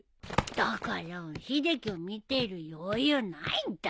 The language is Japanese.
だから秀樹を見てる余裕ないんだよ。